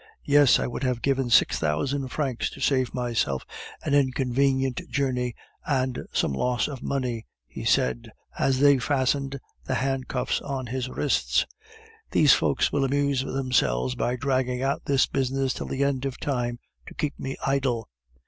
Yes, I would have given six thousand francs to save myself an inconvenient journey and some loss of money," he said, as they fastened the handcuffs on his wrists. "These folks will amuse themselves by dragging out this business till the end of time to keep me idle.